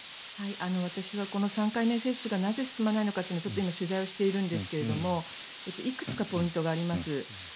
私はこの３回目接種がなぜ進まないのかってちょっと今取材しているんですがいくつかポイントがあります。